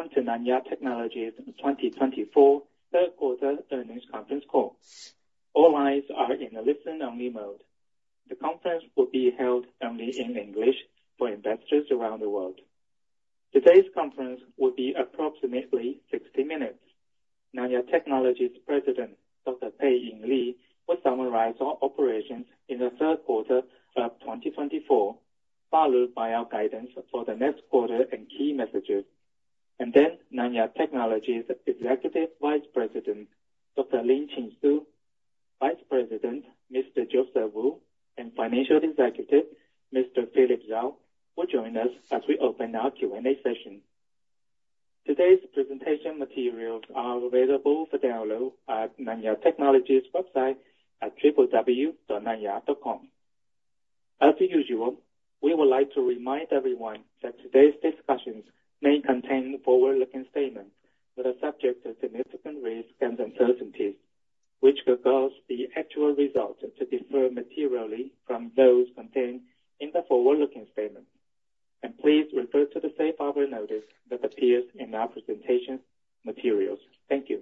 ...Welcome to Nanya Technology's 2024 Q3 Earnings Conference Call. All lines are in a listen-only mode. The conference will be held only in English for investors around the world. Today's conference will be approximately sixty minutes. Nanya Technology's President, Dr. Pei-Ing Lee, will summarize our operations in the third quarter of 2024, followed by our guidance for the next quarter and key messages, and then Nanya Technology's Executive Vice President, Dr. Lin Chin-Chu, Vice President, Mr. Joseph Wu, and Financial Executive, Mr. Philip Tsao, will join us as we open our Q&A session. Today's presentation materials are available for download at Nanya Technology's website at www.nanya.com. As usual, we would like to remind everyone that today's discussions may contain forward-looking statements that are subject to significant risks and uncertainties, which could cause the actual results to differ materially from those contained in the forward-looking statement. And please refer to the safe harbor notice that appears in our presentation materials. Thank you.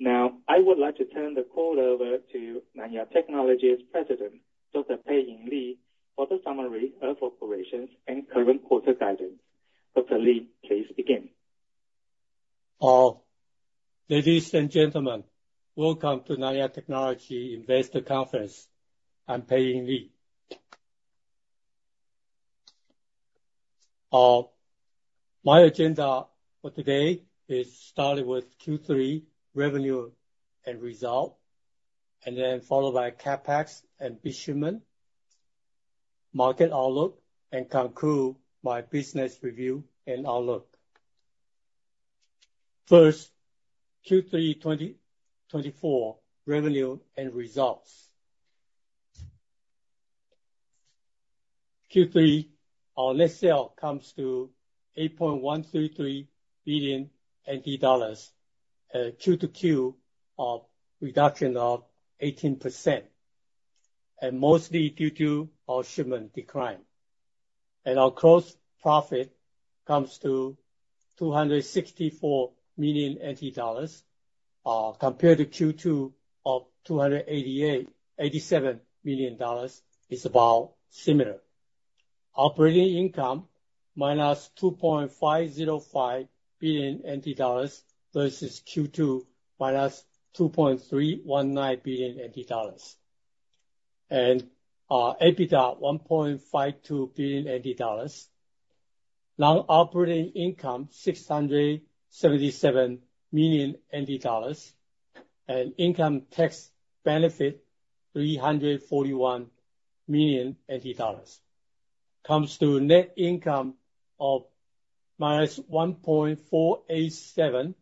Now, I would like to turn the call over to Nanya Technology's President, Dr. Pei-Ing Lee, for the summary of operations and current quarter guidance. Dr. Lee, please begin. Ladies and gentlemen, welcome to Nanya Technology Investor Conference. I'm Pei-Ing Lee. My agenda for today is starting with Q3 revenue and result, and then followed by CapEx and shipment, market outlook, and conclude my business review and outlook. First, Q3 2024 revenue and results. Q3, our net sale comes to 8.133 billion NT dollars, Q to Q, of reduction of 18%, and mostly due to our shipment decline. Our gross profit comes to 264 million NT dollars, compared to Q2 of 287 million dollars. It's about similar. Operating income, minus 2.505 billion NT dollars versus Q2, minus 2.319 billion NT dollars. EBITDA, 1.52 billion NT dollars. Non-operating income, 677 million NT dollars, and income tax benefit, 341 million NT dollars. Comes to net income of -1.487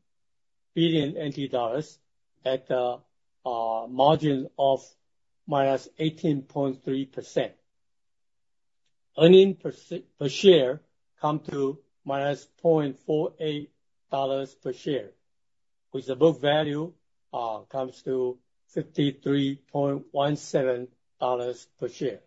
billion NT dollars at a margin of -18.3%. Earnings per share comes to -0.48 dollars per share, with the book value comes to 53.17 dollars per share.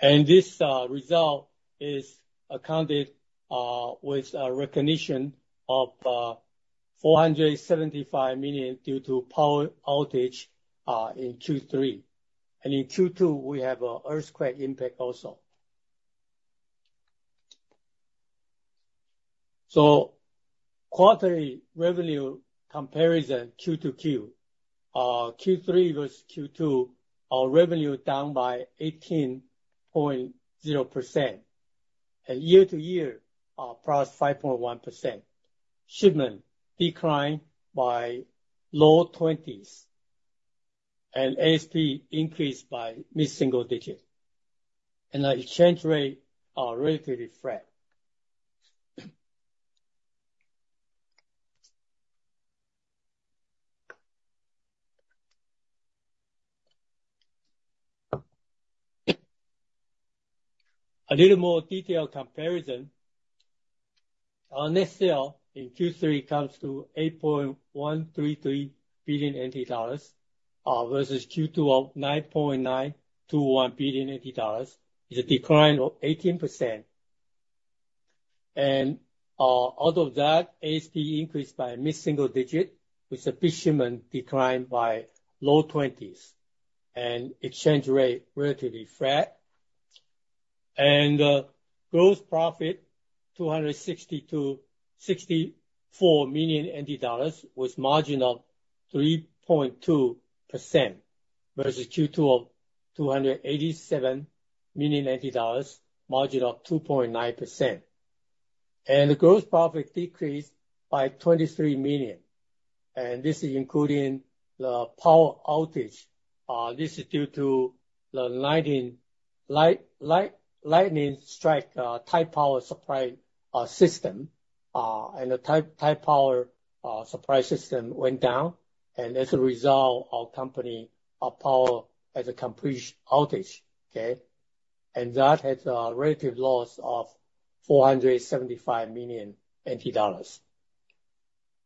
This result is accounted with a recognition of 475 million due to power outage in Q3. In Q2, we have an earthquake impact also. Quarterly revenue comparison Q to Q, Q3 versus Q2, our revenue down by 18.0%, and year to year plus 5.1%. Shipment declined by low twenties, and ASP increased by mid-single digit. Our exchange rate are relatively flat. A little more detailed comparison. Our net sale in Q3 comes to 8.133 billion NT dollars versus Q2 of 9.921 billion NT dollars. It's a decline of 18%. And out of that, ASP increased by mid-single digit, with the shipment declined by low twenties, and exchange rate relatively flat. And gross profit 260-264 million NT dollars, with margin of 3.2%, versus Q2 of 287 million NT dollars, margin of 2.9%. And the gross profit decreased by 23 million, and this is including the power outage. This is due to the lightning strike, Taipower supply system. And the Taipower supply system went down, and as a result, our company, our power has a complete outage, okay? And that had a relative loss of 475 million NT dollars.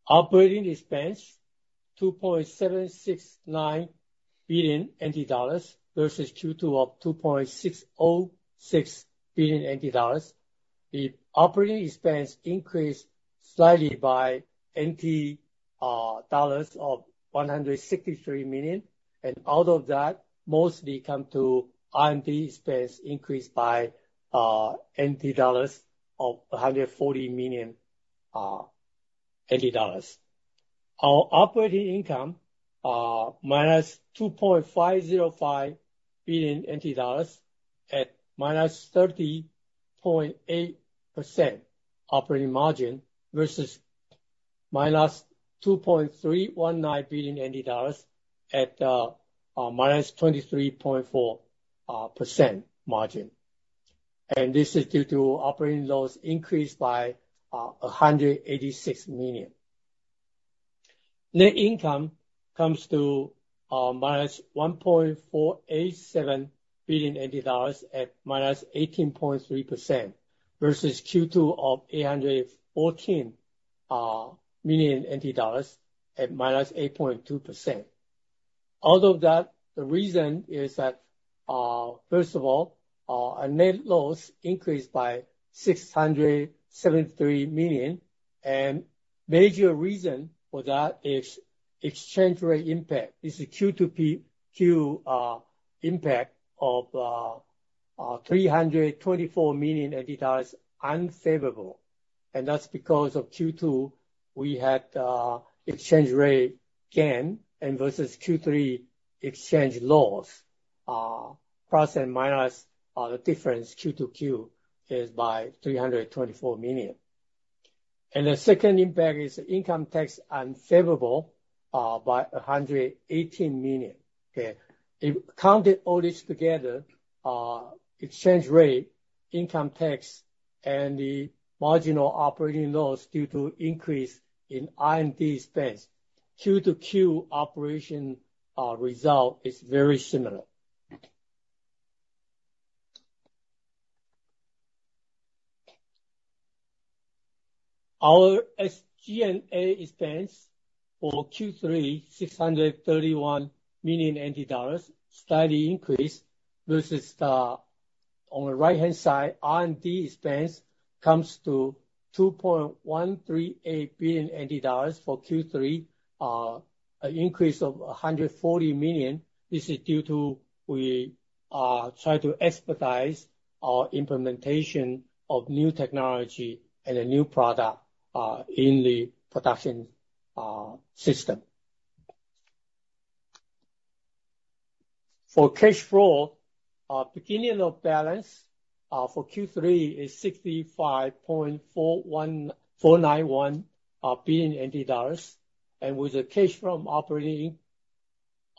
Operating expense, 2.769 billion NT dollars versus Q2 of 2.606 billion NT dollars. The operating expense increased slightly by 163 million NT dollars, and out of that, mostly come to R&D expense increased by TWD 140 million. Our operating income, -2.505 billion NT dollars at -30.8% operating margin versus -2.319 billion at -23.4% margin. And this is due to operating loss increased by 186 million. Net income comes to -1.487 billion NT dollars at -18.3% versus Q2 of 814 million NT dollars at -8.2%. Out of that, the reason is that first of all, our net loss increased by 673 million, and major reason for that is exchange rate impact. This is Q-to-Q impact of 324 million unfavorable, and that's because of Q2 we had exchange rate gain, and versus Q3 exchange loss, plus and minus the difference Q-to-Q is by 324 million. And the second impact is income tax unfavorable by 118 million. Okay. If counting all this together, exchange rate, income tax, and the marginal operating loss due to increase in R&D expense, Q-to-Q operation result is very similar. Our SG&A expense for Q3, 631 million NT dollars, slightly increased versus the, on the right-hand side, R&D expense comes to 2.138 billion NT dollars for Q3, an increase of 140 million. This is due to we try to expedite our implementation of new technology and a new product in the production system. For cash flow, beginning balance for Q3 is 65.41491 billion NT dollars. With the cash from operating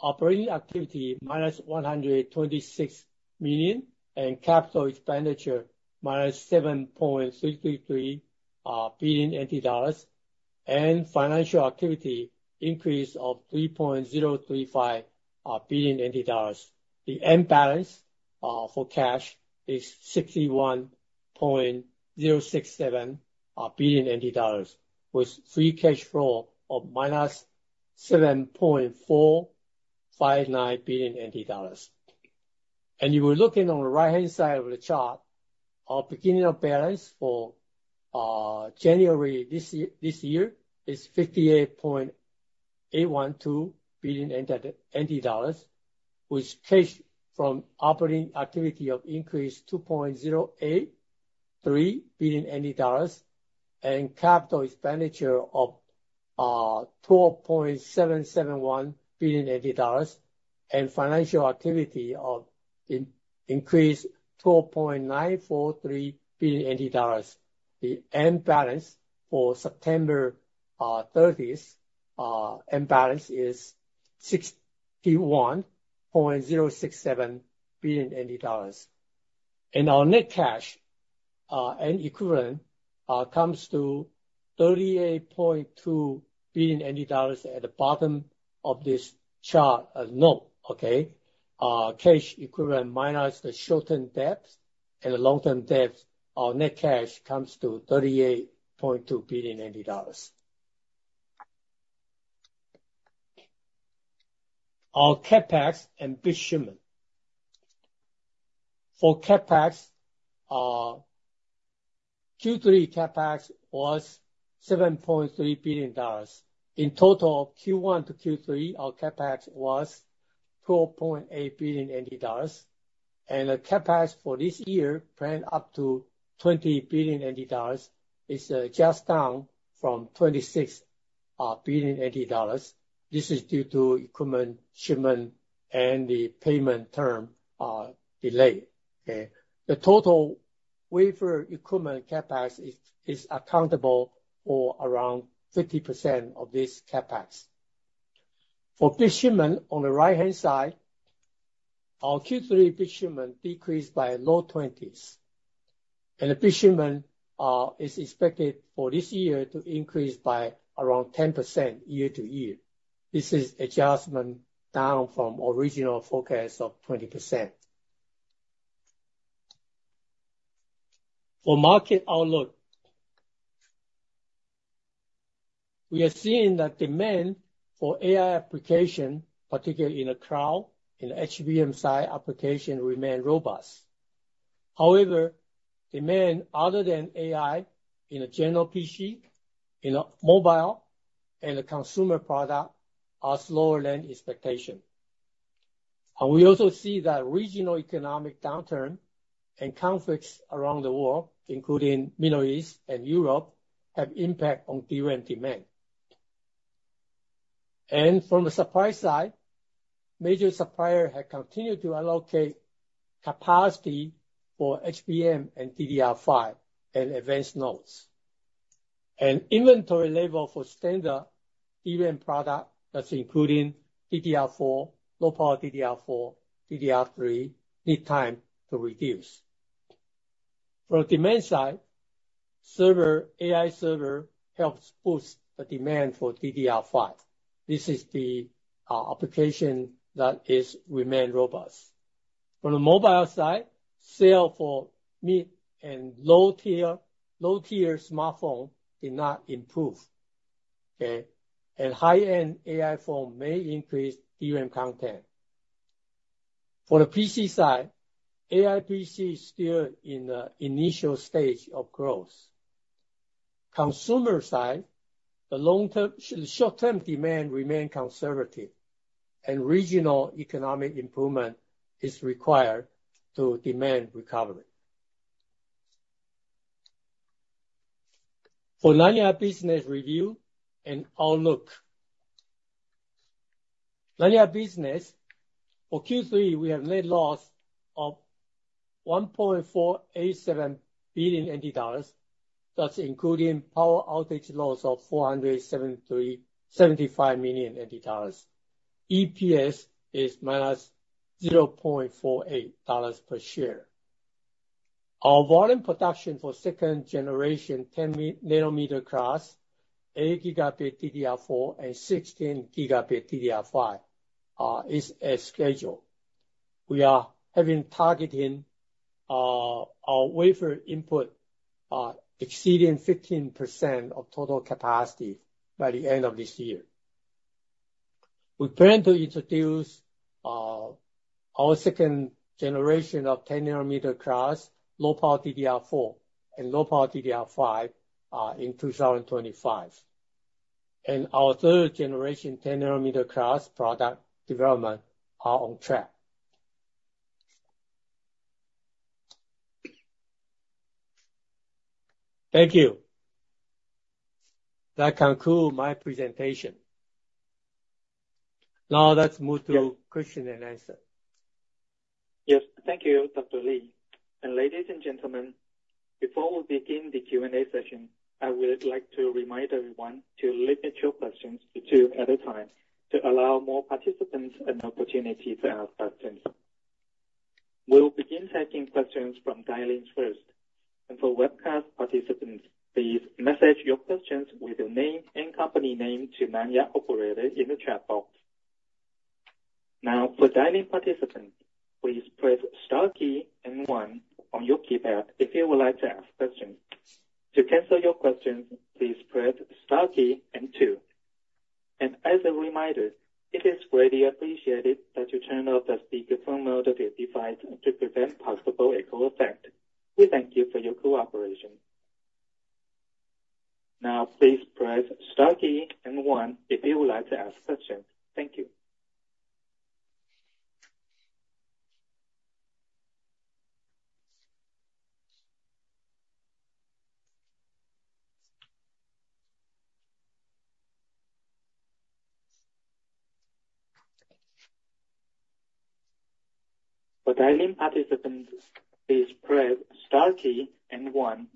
activity, -126 million, and capital expenditure, -7.333 billion NT dollars, and financial activity, increase of 3.035 billion NT dollars. The end balance for cash is 61.067 billion NT dollars, with free cash flow ofTWD 7.459 billion. And if you were looking on the right-hand side of the chart, our beginning balance for January this year is 58.812 billion NT dollars, with cash from operating activity of increase 2.083 billion dollars, and capital expenditure of 12.771 billion dollars, and financial activity of increased 12.943 billion dollars. The end balance for September thirtieth end balance is 61.067 billion NT dollars. Our net cash and equivalent comes to 38.2 billion NT dollars at the bottom of this chart. As noted, cash equivalent minus the short-term debt and the long-term debt, our net cash comes to 38.2 billion dollars. Our CapEx and bit shipment. For CapEx, Q3 CapEx was 7.3 billion dollars. In total, Q1 to Q3, our CapEx was 12.8 billion NT dollars. The CapEx for this year planned up to 20 billion NT dollars. It's just down from 26 billion NT dollars. This is due to equipment shipment and the payment term delay. The total wafer equipment CapEx is accountable for around 50% of this CapEx. For bit shipment, on the right-hand side, our Q3 bit shipment decreased by low twenties. And the bit shipment is expected for this year to increase by around 10% year to year. This is adjustment down from original forecast of 20%.... For market outlook, we are seeing that demand for AI application, particularly in the cloud, in the HBM side application, remain robust. However, demand other than AI in a general PC, in a mobile, and a consumer product, are slower than expectation. And we also see that regional economic downturn and conflicts around the world, including Middle East and Europe, have impact on DRAM demand. And from the supply side, major supplier have continued to allocate capacity for HBM and DDR5 and advanced nodes. And inventory level for standard DRAM product, that's including DDR4, Low Power DDR4, DDR3, need time to reduce. From demand side, server, AI server helps boost the demand for DDR5. This is the application that is remain robust. From the mobile side, sales for mid- and low-tier, low-tier smartphone did not improve. Okay? And high-end AI phone may increase DRAM content. For the PC side, AI PC is still in the initial stage of growth. Consumer side, the long-term, the short-term demand remain conservative, and regional economic improvement is required to demand recovery. For Nanya business review and outlook. Nanya business, for Q3, we have net loss of 1.487 billion NT dollars. That's including power outage loss of 473.75 million NT dollars. EPS is -0.48 dollars per share. Our volume production for second generation, 10nm class, 8Gb DDR4 and sixteen gigabit DDR5, is as scheduled. We are having targeting, our wafer input, exceeding 15% of total capacity by the end of this year. We plan to introduce, our second generation of 10nm class, Low Power DDR4 and Low Power DDR5, in 2025. Our third generation 10nm class product development are on track. Thank you. That concludes my presentation. Now, let's move to question and answer. Yes, thank you, Dr. Lee. Ladies and gentlemen, before we begin the Q&A session, I would like to remind everyone to limit your questions to two at a time, to allow more participants an opportunity to ask questions. We'll begin taking questions from dialing first. For webcast participants, please message your questions with your name and company name to Nanya operator in the chat box. Now, for dialing participants, please press star key and one on your keypad if you would like to ask questions. To cancel your questions, please press star key and two. As a reminder, it is greatly appreciated that you turn off the speakerphone mode of your device to prevent possible echo effect. We thank you for your cooperation. Now, please press star key and one if you would like to ask questions. Thank you. For dialing participants, please press star key and one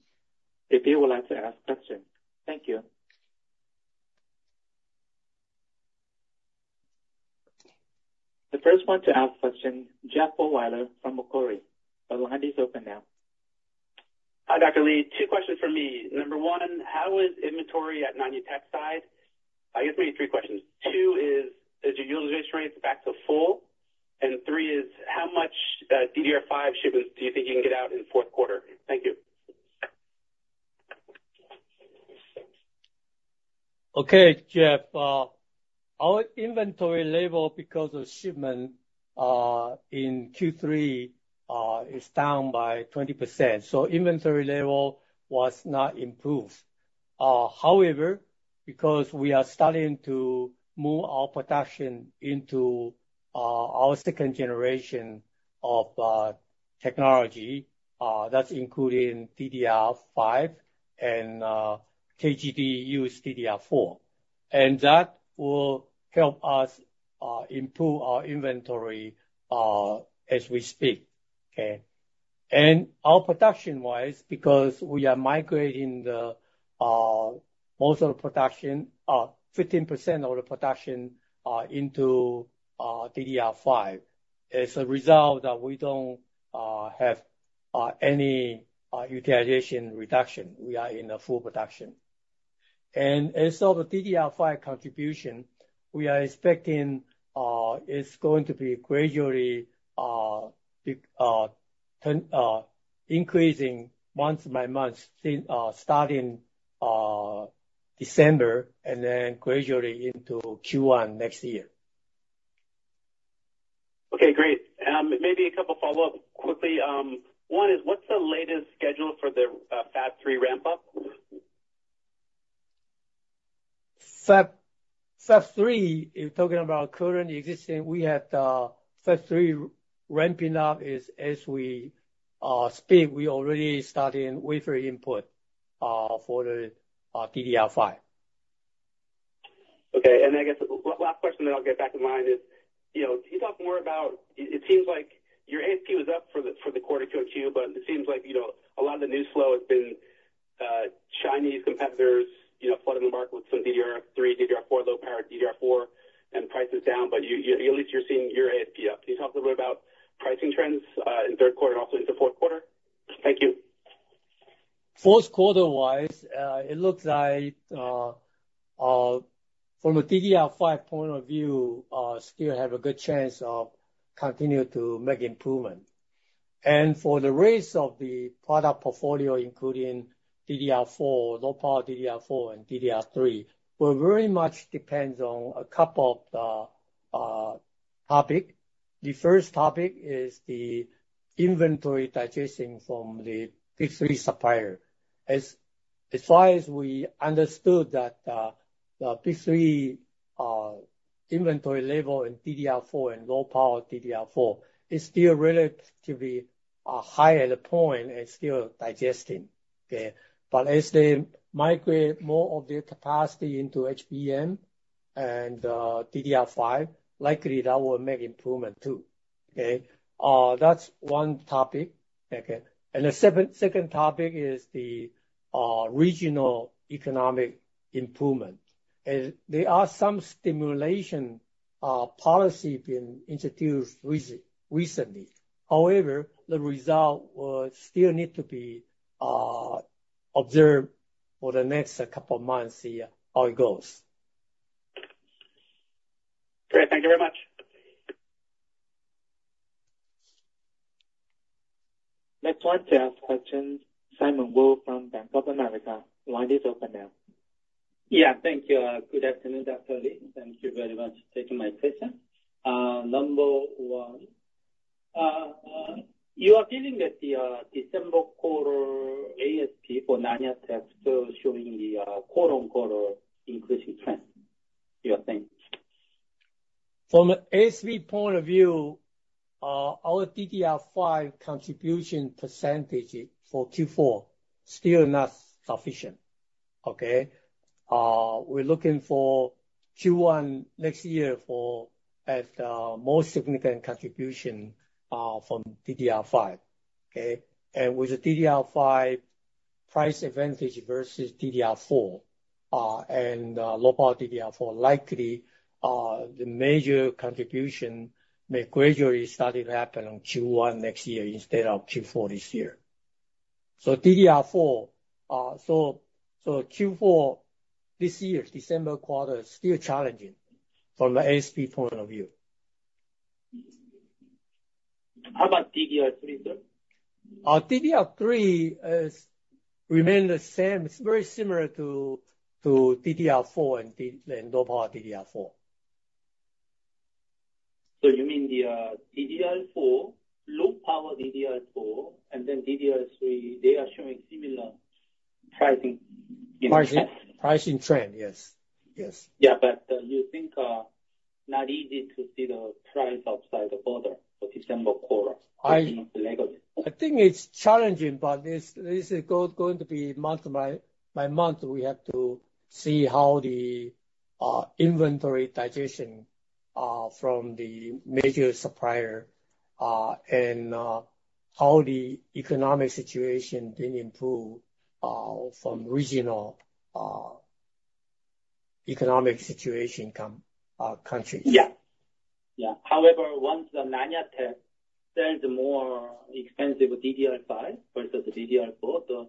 if you would like to ask questions. Thank you. The first one to ask question, Jeff Ohlweiler from Macquarie. The line is open now. Hi, Dr. Lee. Two questions for me. Number one, how is inventory at Nanya Tech side? I guess maybe three questions. Two is, is your utilization rates back to full? And three is, how much DDR5 shipments do you think you can get out in the fourth quarter? Thank you. Okay, Jeff, our inventory level, because of shipment in Q3, is down by 20%, so inventory level was not improved. However, because we are starting to move our production into our second generation of technology, that's including DDR5 and KGD use DDR4. And that will help us improve our inventory as we speak. Okay? And our production-wise, because we are migrating the most of the production, 15% of the production, into DDR5, as a result, we don't have any utilization reduction. We are in a full production. And so the DDR5 contribution we are expecting is going to be gradually be turn increasing month by month, since starting December, and then gradually into Q1 next year. Okay, great. Maybe a couple follow-ups quickly. One is, what's the latest schedule for the Fab 3 ramp up? Fab, Fab 3, you're talking about current existing. We have the Fab 3 ramping up as we speak. We already starting wafer input for the DDR5. Okay. And then, I guess, last question, then I'll get back in line is, you know, can you talk more about it. It seems like your ASP was up for the quarter Q2, but it seems like, you know, a lot of the news flow has been Chinese competitors, you know, flooding the market with some DDR3, DDR4, low-power DDR4, and prices down, but you at least you're seeing your ASP up. Can you talk a little bit about pricing trends in third quarter and also into fourth quarter? Thank you. Fourth quarter-wise, it looks like, from a DDR5 point of view, still have a good chance of continuing to make improvement. And for the rest of the product portfolio, including DDR4, low-power DDR4 and DDR3, will very much depends on a couple of the topic. The first topic is the inventory digestion from the big three supplier. As far as we understood that, the big three inventory level in DDR4 and low-power DDR4 is still relatively high at the point and still digesting. Okay? But as they migrate more of their capacity into HBM and DDR5, likely that will make improvement too. Okay? That's one topic. Okay. And the second topic is the regional economic improvement. And there are some stimulus policy being introduced recently. However, the result will still need to be observed for the next couple of months, see how it goes. Great. Thank you very much. Next one to ask question, Simon Woo from Bank of America. Your line is open now. Yeah. Thank you. Good afternoon, Dr. Lee. Thank you very much for taking my question. Number one, you are feeling that the December quarter ASP for Nanya Tech still showing the quarter on quarter increasing trend, you are saying? From an ASP point of view, our DDR5 contribution percentage for Q4 still not sufficient. Okay? We're looking for Q1 next year for, as, more significant contribution from DDR5, okay? And with the DDR5 price advantage versus DDR4, and low-power DDR4, likely the major contribution may gradually starting to happen on Q1 next year, instead of Q4 this year. So DDR4, so Q4 this year, December quarter, still challenging from an ASP point of view. How about DDR3, sir? DDR3 remain the same. It's very similar to DDR4 and low-power DDR4. So you mean the DDR4, low-power DDR4, and then DDR3, they are showing similar pricing, you know, trend? Pricing, pricing trend, yes. Yes. Yeah, but you think not easy to see the price upside the border for December quarter- I- - legacy. I think it's challenging, but this is going to be month by month. We have to see how the inventory digestion from the major supplier, and how the economic situation being improved from regional economic situation come countries. Yeah. Yeah. However, once the Nanya Technology sends more expensive DDR5 versus the DDR4,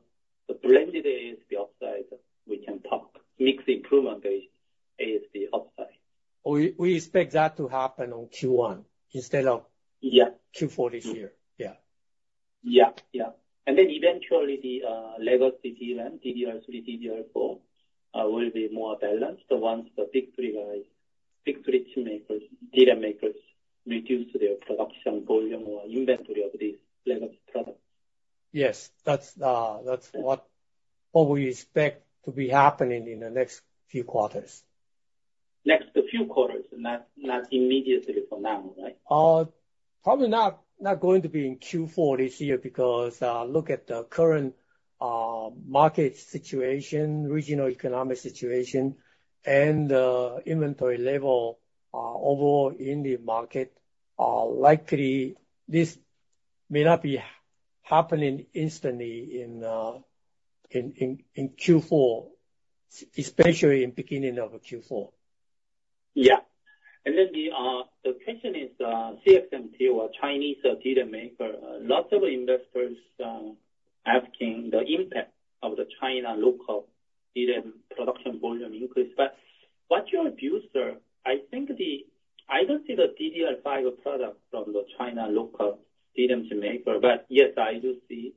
the blended ASP upside, we can talk mixed improvement the ASP upside. We expect that to happen on Q1, instead of- Yeah. Q4 this year. Yeah. Yeah, yeah. And then eventually the legacy DRAM, DDR3, DDR4, will be more balanced, the ones, the big three guys, big three chip makers, DRAM makers reduce their production volume or inventory of these legacy products. Yes. That's what we expect to be happening in the next few quarters. Next few quarters, and not immediately for now, right? Probably not, not going to be in Q4 this year, because look at the current market situation, regional economic situation, and inventory level overall in the market. Likely this may not be happening instantly in Q4, especially in beginning of Q4.... Yeah. Then the question is, CXMT or Chinese DRAM maker. Lots of investors asking the impact of the China local DRAM production volume increase. But what's your view, sir? I think the-- I don't see the DDR5 product from the China local DRAM maker, but yes, I do see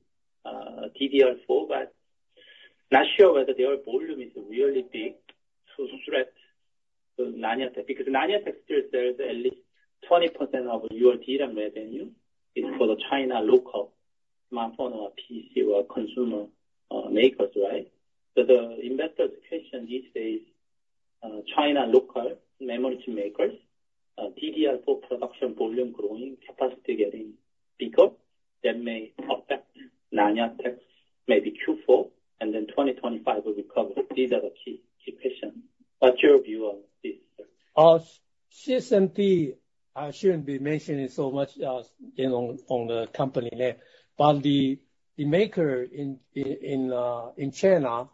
DDR4, but not sure whether their volume is really big to threaten Nanya. Because Nanya still there is at least 20% of your DRAM revenue is for the China local smartphone or PC or consumer makers, right? So the investors' question these days, China local memory makers, DDR4 production volume growing, capacity getting bigger, that may affect Nanya Tech, maybe Q4, and then 2025 will recover. These are the key question. What's your view on this, sir? CXMT, I shouldn't be mentioning so much as, you know, on the company name, but the maker in China,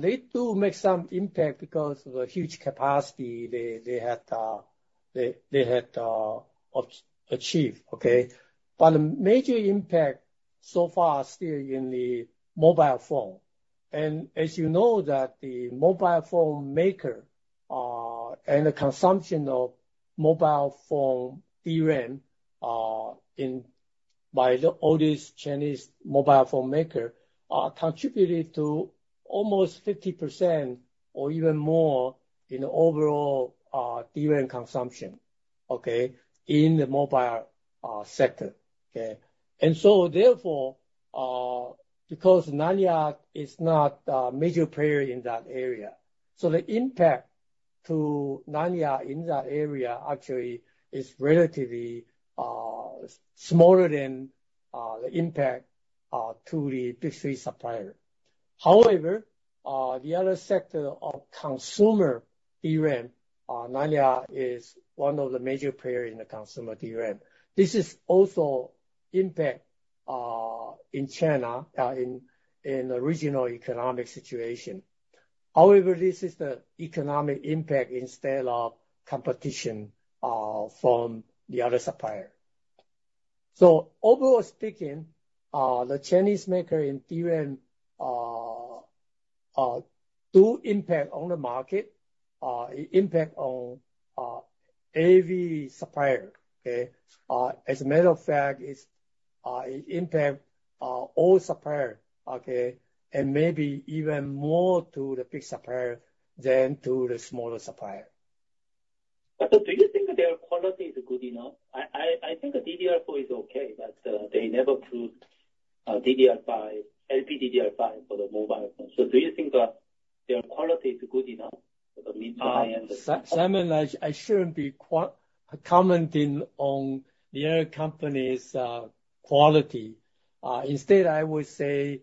they do make some impact because of the huge capacity they had achieved, okay? But the major impact so far is still in the mobile phone. And as you know that the mobile phone maker and the consumption of mobile phone DRAM in by the largest Chinese mobile phone maker contributed to almost 50% or even more in the overall DRAM consumption, okay, in the mobile sector. Okay? And so therefore, because Nanya is not a major player in that area, so the impact to Nanya in that area actually is relatively smaller than the impact to the big three supplier. However, the other sector of consumer DRAM, Nanya, is one of the major player in the consumer DRAM. This is also impact in China in the regional economic situation. However, this is the economic impact instead of competition from the other supplier. so overall speaking, the Chinese maker in DRAM do impact on the market, impact on every supplier, okay? As a matter of fact, it's it impact all supplier, okay? and maybe even more to the big supplier than to the smaller supplier. But, do you think their quality is good enough? I think the DDR4 is okay, but they never proved DDR5, LPDDR5 for the mobile phone. So do you think that their quality is good enough for the? [inaudible] Simon, I shouldn't be commenting on the other company's quality. Instead, I would say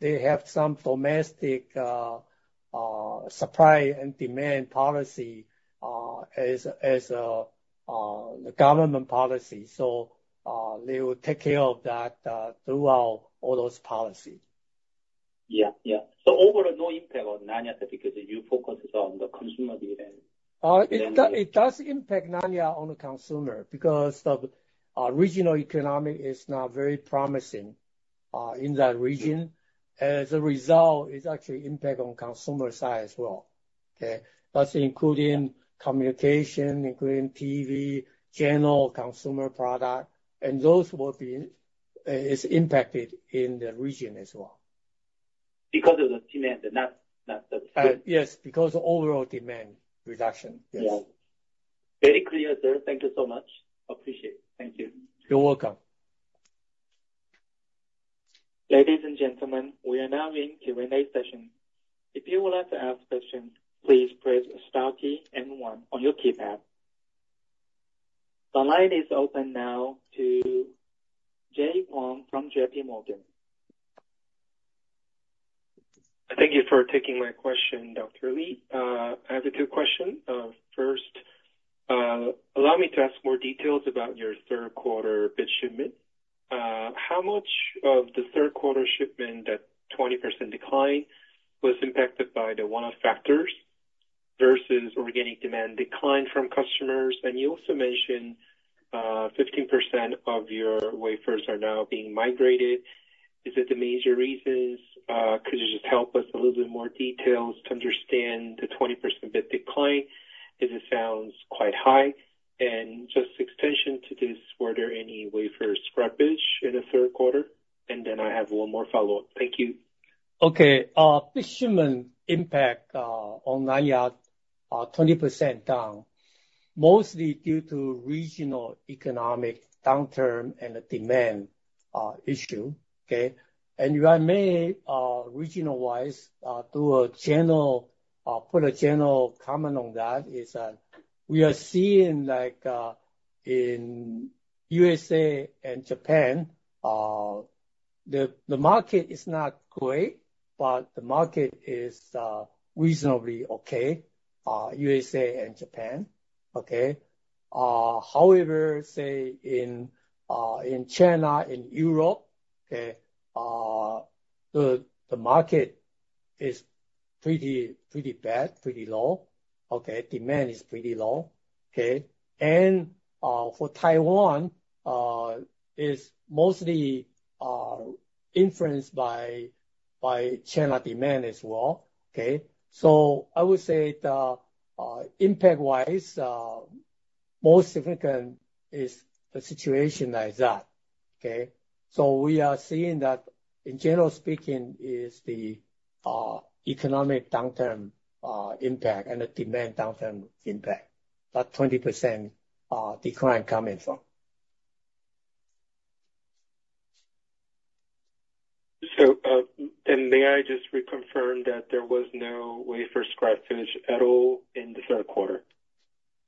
they have some domestic supply and demand policy as the government policy. So, they will take care of that throughout all those policy. Yeah, yeah. So overall, no impact on Nanya, because you focus on the consumer DRAM. It does impact Nanya on the consumer, because the regional economic is not very promising in that region. As a result, it's actually impact on consumer side as well, okay? That's including communication, including TV, general consumer product, and those will be impacted in the region as well. Because of the demand, not the- Yes, because overall demand reduction. Yes. Yeah. Very clear, sir. Thank you so much. Appreciate it. Thank you. You're welcome. Ladies and gentlemen, we are now in Q&A session. If you would like to ask questions, please press star key and one on your keypad. The line is open now to Jay Kwon from JPMorgan. Thank you for taking my question, Dr. Lee. I have a two question. First, allow me to ask more details about your third quarter bit shipment. How much of the third quarter shipment, that 20% decline, was impacted by the one-off factors versus organic demand decline from customers? And you also mentioned, 15% of your wafers are now being migrated. Is it the major reasons? Could you just help us a little bit more details to understand the 20% bit decline, as it sounds quite high. And just extension to this, were there any wafer scrappage in the third quarter? And then I have one more follow-up. Thank you. Okay. The shipment impact on Nanya 20% down, mostly due to regional economic downturn and the demand issue. Okay? And if I may, regional-wise, do a general put a general comment on that, is that we are seeing like in USA and Japan the market is not great, but the market is reasonably okay USA and Japan. Okay? However, say in China, in Europe. Okay, the market is pretty bad, pretty low. Okay? Demand is pretty low. Okay. And for Taiwan is mostly influenced by China demand as well. Okay? So I would say the impact-wise most significant is the situation like that. Okay? So we are seeing that, in general speaking, is the economic downturn impact and the demand downturn impact, that 20% decline coming from. May I just reconfirm that there was no wafer scrap from this at all in the third quarter?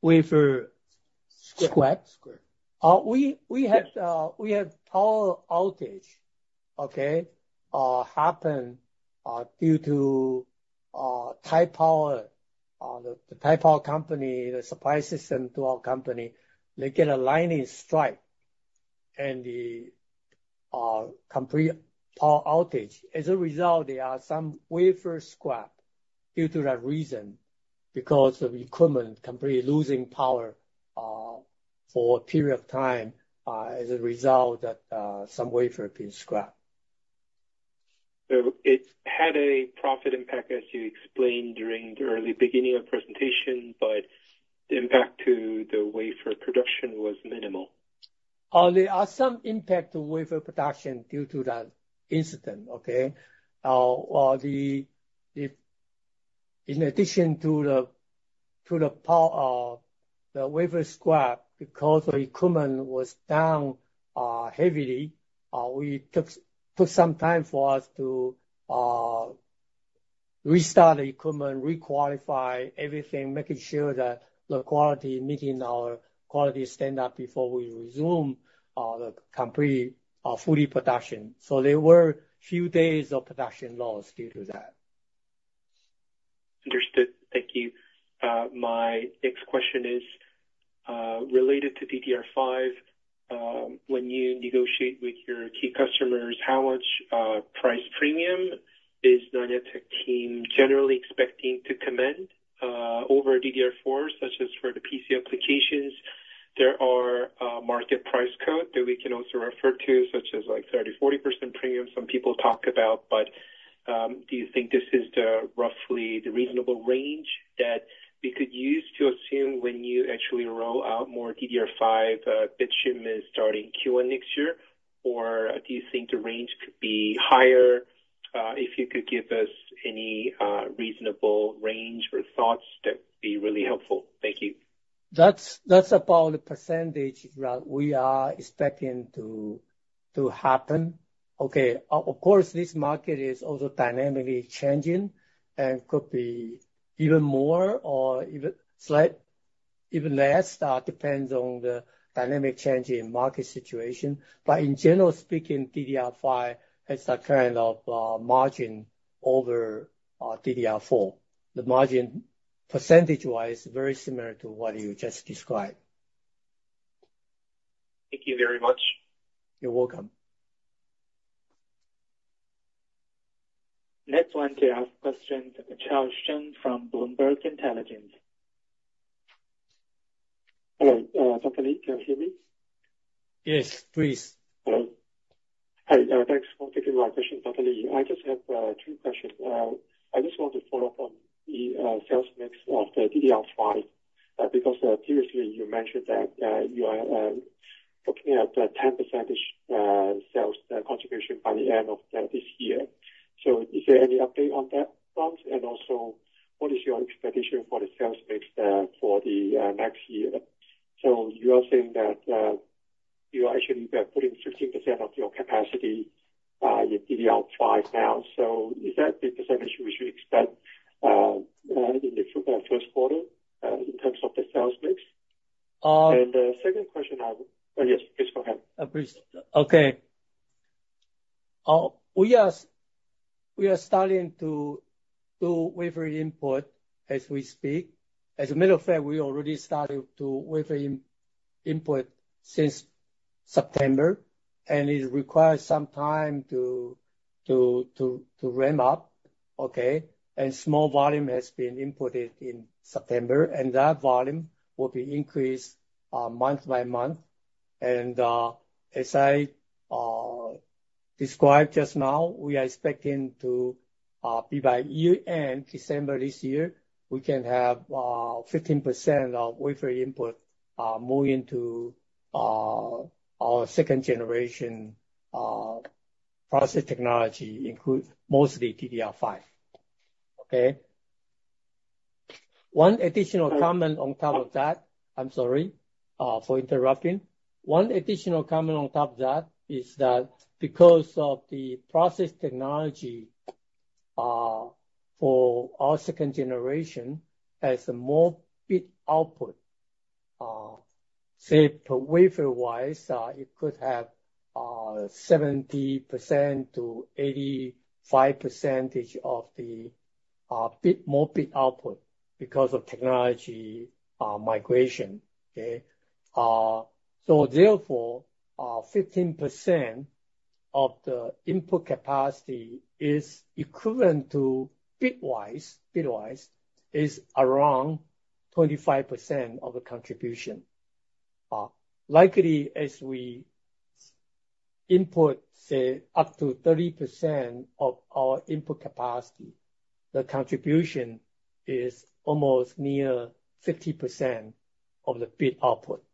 Wafer scrap? Scrap. We had power outage, okay, happened due to Taipower Company, the supply system to our company, they get a lightning strike, and the complete power outage. As a result, there are some wafer scrap due to that reason, because the equipment completely losing power for a period of time, as a result that, some wafer being scrapped. So it had a profit impact, as you explained during the early beginning of presentation, but the impact to the wafer production was minimal. There are some impact to wafer production due to that incident. In addition to the power, the wafer scrap, because the equipment was down heavily, we took some time for us to restart the equipment, re-qualify everything, making sure that the quality meeting our quality standard before we resume the complete fully production. So there were few days of production loss due to that. Understood. Thank you. My next question is related to DDR5. When you negotiate with your key customers, how much price premium is Nanya Tech team generally expecting to command over DDR4, such as for the PC applications? There are a market price quote that we can also refer to, such as like 30%-40% premium some people talk about. But, do you think this is roughly the reasonable range that we could use to assume when you actually roll out more DDR5, bit shipment is starting Q1 next year? Or do you think the range could be higher? If you could give us any reasonable range or thoughts, that'd be really helpful. Thank you. That's about the percentage we are expecting to happen. Okay, of course, this market is also dynamically changing and could be even more or even slight, even less, depends on the dynamic change in market situation. But in general speaking, DDR5 has that kind of margin over DDR4. The margin, percentage-wise, very similar to what you just described. Thank you very much. You're welcome. Next one to ask questions: Charles Shum from Bloomberg Intelligence. Hello, Dr. Lee, can you hear me? Yes, please. Hello. Hi, thanks for taking my question, Dr. Lee. I just have two questions. I just want to follow up on the sales mix of the DDR5, because previously, you mentioned that you are looking at 10% sales contribution by the end of this year. So is there any update on that front? And also, what is your expectation for the sales mix for the next year? So you are saying that you are actually putting 15% of your capacity in DDR5 now. So is that the percentage we should expect in the first quarter in terms of the sales mix? Uh- And the second question I would... Yes, please go ahead. Please. Okay. We are starting to do wafer input as we speak. As a matter of fact, we already started to wafer input since September, and it requires some time to ramp up, okay? And small volume has been inputted in September, and that volume will be increased month by month. And as I described just now, we are expecting to be by year-end, December this year, we can have 15% of wafer input moving to our second generation process technology, include mostly DDR5. Okay? One additional comment on top of that. I'm sorry for interrupting. One additional comment on top of that is that because of the process technology for our second generation has a more bit output, say, per wafer-wise, it could have 70%-85% bit more bit output because of technology migration, okay? So therefore, 15% of the input capacity is equivalent to bitwise is around 25% of the contribution. Likely as we input, say, up to 30% of our input capacity, the contribution is almost near 50% of the bit output,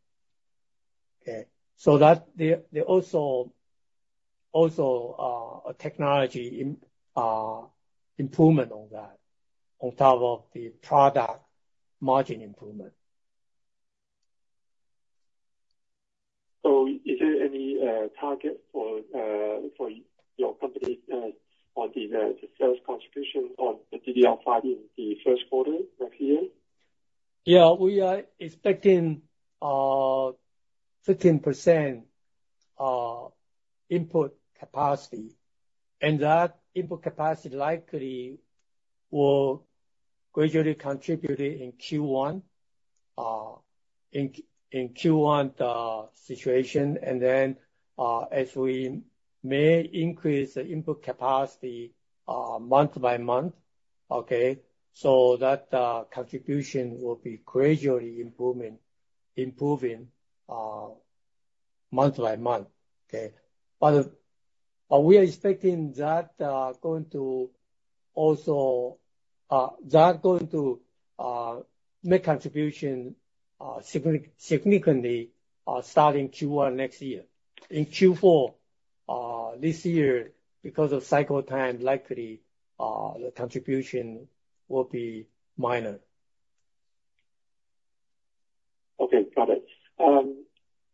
okay? So that there also a technology improvement on that, on top of the product margin improvement. Is there any target for your company on the sales contribution on the DDR5 in the first quarter next year? Yeah, we are expecting 15% input capacity, and that input capacity likely will gradually contribute in Q1 the situation. And then, as we may increase the input capacity month by month, okay, so that contribution will be gradually improving month by month, okay? But we are expecting that going to also make contribution significantly starting Q1 next year. In Q4 this year, because of cycle time, likely the contribution will be minor. Okay, got it.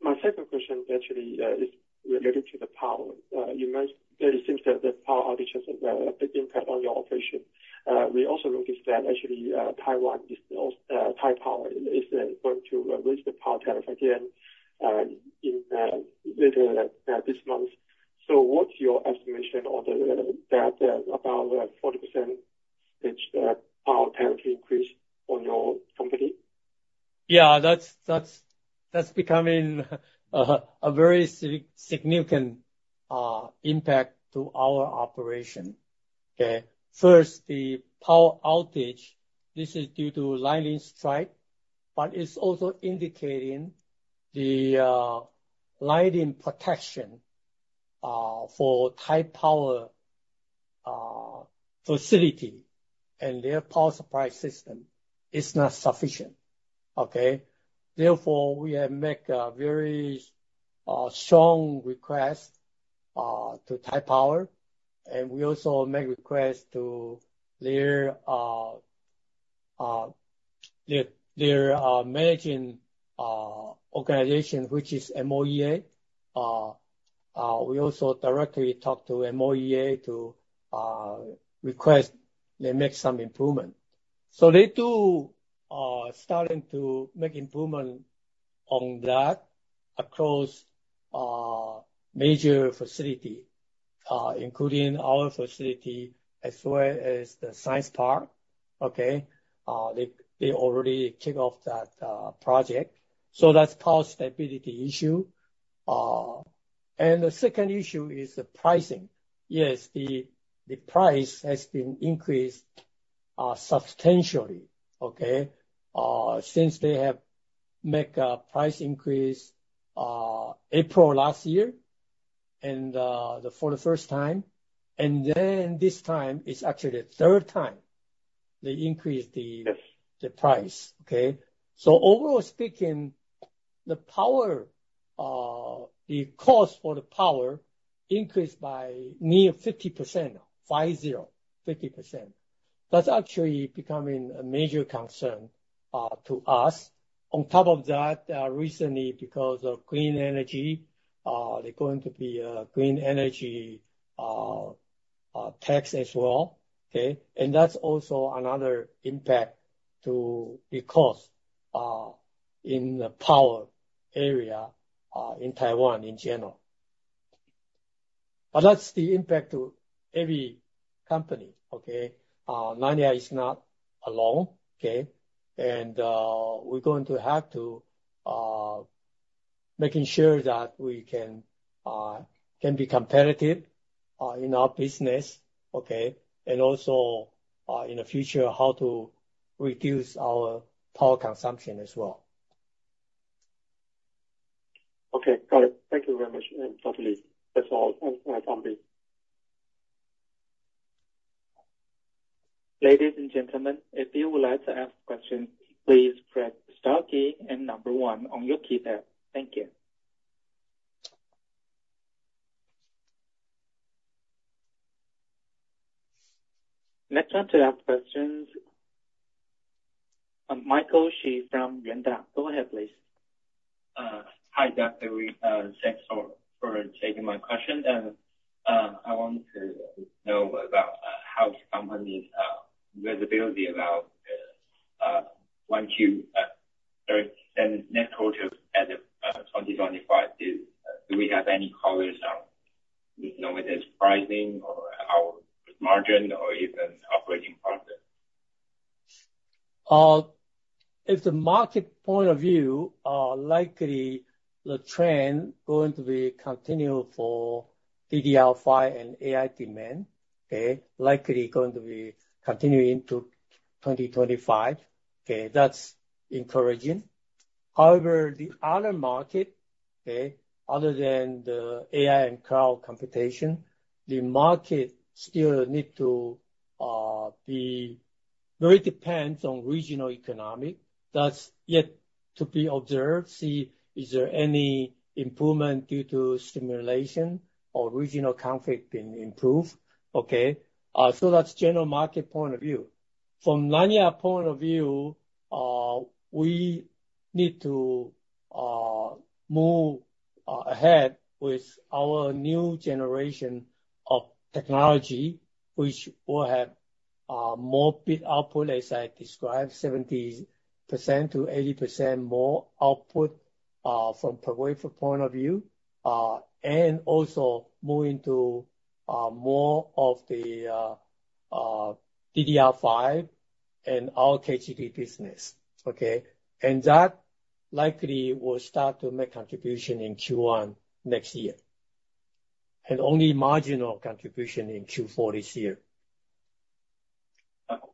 My second question actually is related to the power. You mentioned that it seems that the power outages have a big impact on your operation. We also noticed that actually, Taiwan is also, Taipower is going to raise the power tariff again, in later this month. So what's your estimation on that about 40% which power tariff increase on your company? Yeah, that's becoming a very significant impact to our operation. Okay. First, the power outage, this is due to lightning strike, but it's also indicating the lightning protection for Taipower facility, and their power supply system is not sufficient, okay? Therefore, we have make a very strong request to Taipower, and we also make requests to their managing organization, which is MOEA. We also directly talk to MOEA to request they make some improvement. So they do starting to make improvement on that across major facility, including our facility as well as the science park, okay? They already kick off that project. So that's power stability issue, and the second issue is the pricing. Yes, the price has been increased substantially, okay? Since they have make a price increase, April last year, and, for the first time, and then this time, it's actually the third time they increased the- Yes. - the price, okay? So overall speaking, the power, the cost for the power increased by near 50%. That's actually becoming a major concern to us. On top of that, recently, because of clean energy, there's going to be a clean energy tax as well, okay? And that's also another impact to the cost in the power area in Taiwan in general. But that's the impact to every company, okay? Nanya is not alone, okay? And, we're going to have to making sure that we can be competitive in our business, okay, and also in the future, how to reduce our power consumption as well. Okay, got it. Thank you very much. And hopefully, that's all on my company. Ladies and gentlemen, if you would like to ask questions, please press star key and number one on your keypad. Thank you. Next up to ask questions, Michael Hsu from Yuanta. Go ahead, please. Hi, Jeff Ohlweiler. Thanks for taking my question. I want to know about how company's visibility about-... next quarter at 2025, do we have any colors on, you know, whether it's pricing or our margin or even operating margin? If the market point of view, likely the trend going to be continue for DDR5 and AI demand, okay? Likely going to be continuing to 2025. Okay, that's encouraging. However, the other market, okay, other than the AI and cloud computation, the market still need to be very dependent on regional economic. That's yet to be observed, see is there any improvement due to stimulation or regional conflict being improved, okay? So that's general market point of view. From Nanya point of view, we need to move ahead with our new generation of technology, which will have more bit output, as I described, 70%-80% more output from per wafer point of view, and also move into more of the DDR5 and LPDDR business, okay? That likely will start to make contribution in Q1 next year, and only marginal contribution in Q4 this year.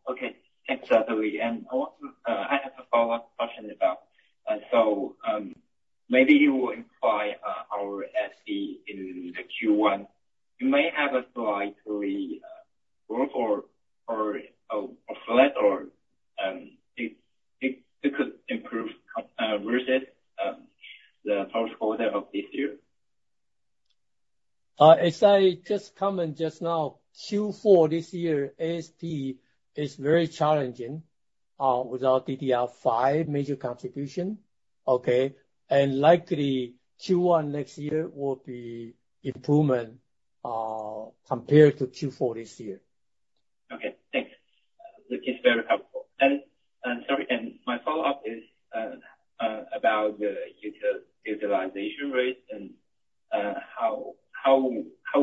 Okay. Thanks. And also, I have a follow-up question about so maybe you will imply our ASP in the Q1. You may have a slightly weaker or a flat or it could improve compared to the first quarter of this year. As I just comment just now, Q4 this year, ASP is very challenging, without DDR5 major contribution, okay? And likely, Q1 next year will be improvement, compared to Q4 this year. Okay. Thanks. It's very helpful. And sorry, my follow-up is about the utilization rates and how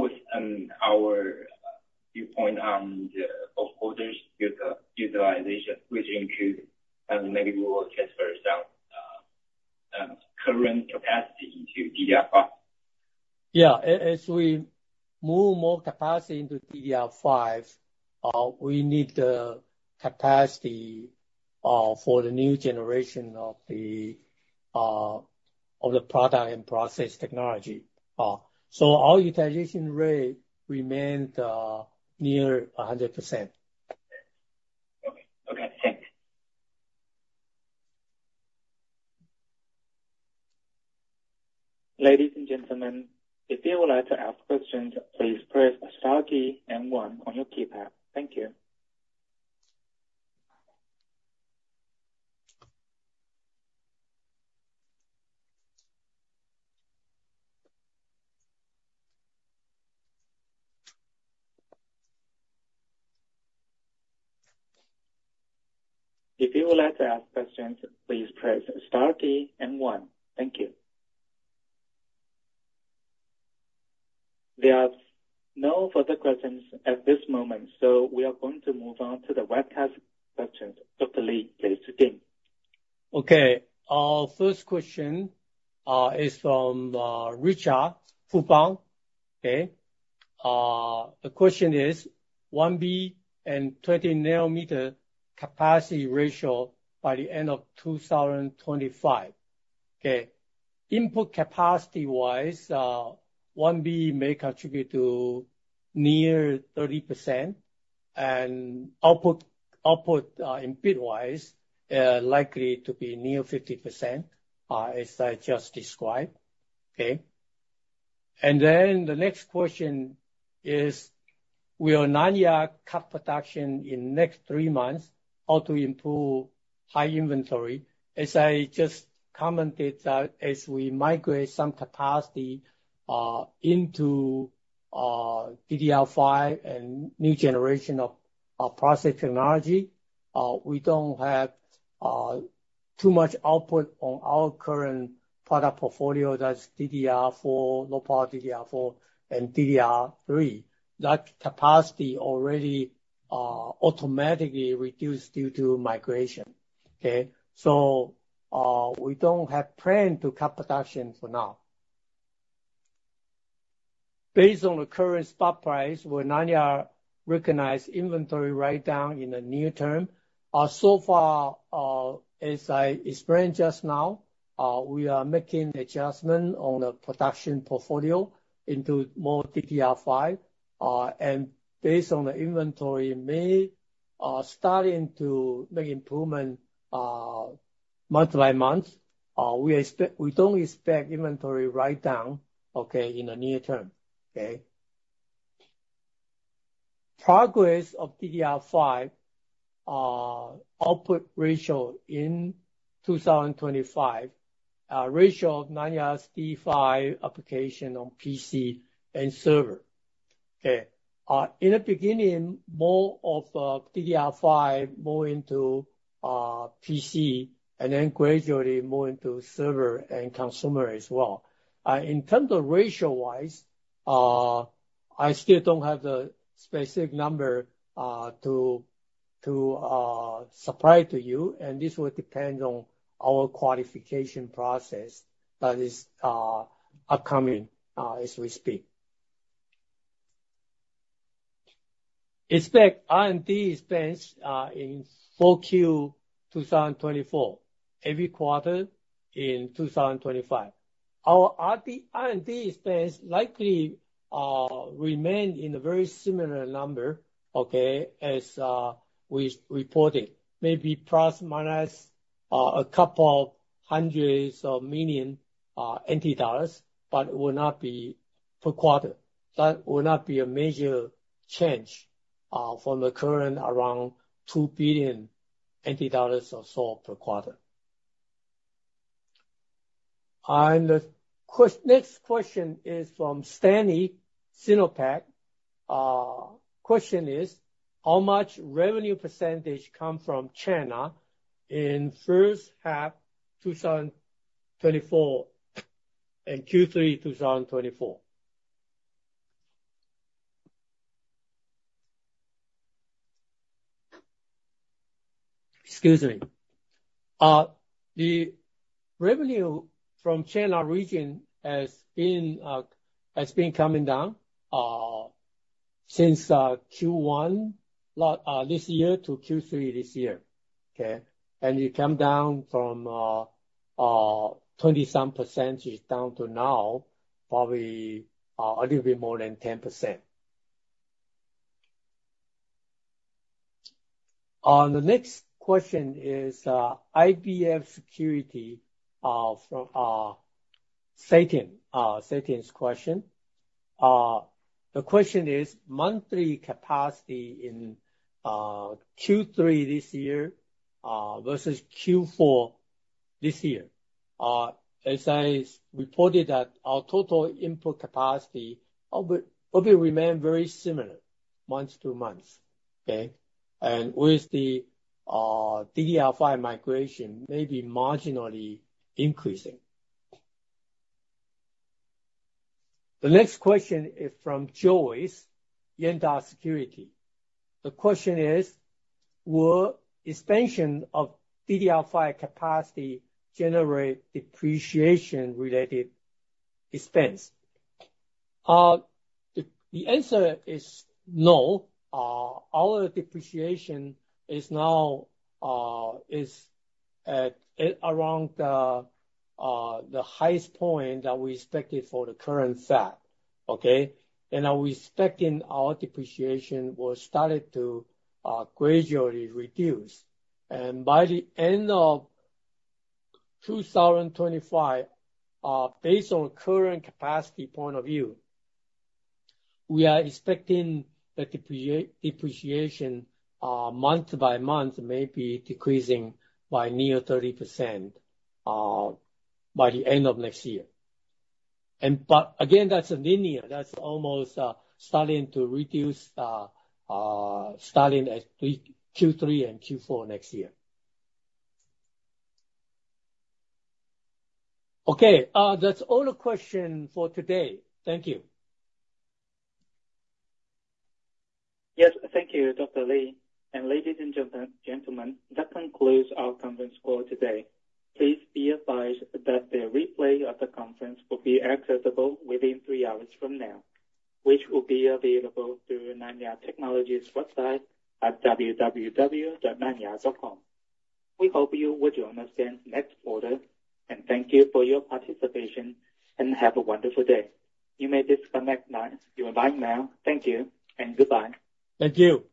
is our viewpoint on the first quarters with the utilization, which include, and maybe we will transfer some current capacity into DDR5. Yeah. As we move more capacity into DDR5, we need the capacity for the new generation of the product and process technology. So our utilization rate remained near 100%. Okay. Okay, thanks. Ladies and gentlemen, if you would like to ask questions, please press star key and one on your keypad. Thank you. If you would like to ask questions, please press star key and one. Thank you. There are no further questions at this moment, so we are going to move on to the webcast questions. Dr. Lee, please begin. Okay. Our first question is from Richard Fu. Okay. The question is, 1B and 20nm capacity ratio by the end of 2025. Okay. Input capacity-wise, 1B may contribute to near 30%, and output, in bit-wise, likely to be near 50%, as I just described. Okay? And then the next question is, will Nanya cut production in next three months or to improve high inventory? As I just commented, that as we migrate some capacity into DDR5 and new generation of process technology, we don't have too much output on our current product portfolio, that's DDR4, Low Power DDR4 and DDR3. That capacity already automatically reduced due to migration. Okay, so we don't have plan to cut production for now. Based on the current spot price, will Nanya recognize inventory write down in the near term? So far, as I explained just now, we are making the adjustment on the production portfolio into more DDR5, and based on the inventory in May, starting to make improvement, month by month. We don't expect inventory write down, okay, in the near term. Okay? Progress of DDR5 output ratio in 2025, ratio of Nanya's D5 application on PC and server. Okay, in the beginning, more of DDR5, more into PC, and then gradually more into server and consumer as well. In terms of ratio wise, I still don't have the specific number to supply to you, and this will depend on our qualification process, but it's upcoming, as we speak. Expect R&D expense in Q4 2024, every quarter in 2025. Our R&D expense likely remain in a very similar number, okay, as we reported, maybe plus, minus, a couple of hundreds of million TWD, but it will not be per quarter. That will not be a major change from the current around 2 billion or so per quarter. The next question is from Stanley SinoPac. Question is, "How much revenue percentage come from China in first half 2024 and Q3 2024?" Excuse me. The revenue from China region has been coming down since Q1 this year to Q3 this year, okay? And it came down from twenty-something percent down to now, probably a little bit more than 10%. The next question is IBF Securities from Stanley. Stanley's question. The question is, monthly capacity in Q3 this year versus Q4 this year. As I reported, our total input capacity will remain very similar month to month, okay? And with the DDR5 migration, maybe marginally increasing. The next question is from Joyce, Yuanta Securities. The question is: Will expansion of DDR5 capacity generate depreciation-related expense? The answer is no. Our depreciation is now at around the highest point that we expected for the current fact, okay? And are we expecting our depreciation will start to gradually reduce. By the end of 2025, based on current capacity point of view, we are expecting the depreciation month by month may be decreasing by near 30% by the end of next year. But again, that's a linear, that's almost starting to reduce starting at Q3 and Q4 next year. Okay, that's all the question for today. Thank you. Yes. Thank you, Dr. Lee. And ladies and gentlemen, gentlemen, that concludes our conference call today. Please be advised that the replay of the conference will be accessible within three hours from now, which will be available through Nanya Technology's website at www.nanya.com. We hope you will join us again next quarter, and thank you for your participation, and have a wonderful day. You may disconnect your line now. Thank you and goodbye. Thank you.